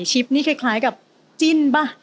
ชิพนี่คล้ายกับจินต์ปะ